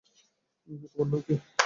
তোমার নাম কী?